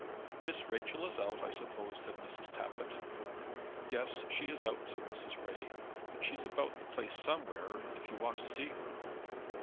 "Miss Rachel is out, I suppose," said Mrs. Tappitt. "Yes, she is out," said Mrs. Ray. "But she's about the place somewhere, if you want to see her."